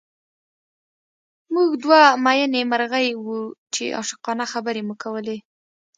موږ دوه مئینې مرغۍ وو چې عاشقانه خبرې مو کولې